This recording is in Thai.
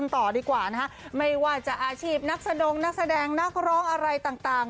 ต่อดีกว่านะฮะไม่ว่าจะอาชีพนักแสดงนักแสดงนักร้องอะไรต่าง